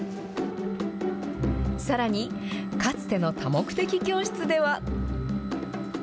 さらに、かつての多目的教室では。